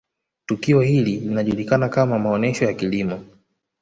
tukio hili linajulikana kama maonesho ya Kilimo